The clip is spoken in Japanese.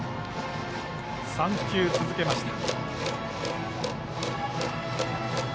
３球、続けました。